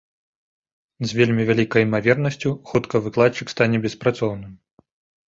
З вельмі вялікай імавернасцю хутка выкладчык стане беспрацоўным.